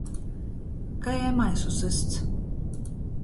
Kai ar maisu systs!